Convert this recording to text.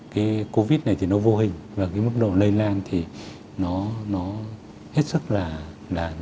cái covid này thì nó vô hình và cái mức độ lây lan thì nó hết sức là